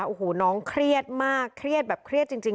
นี่นะคะโอ้โหน้องเครียดมากเครียดแบบเครียดจริงจริง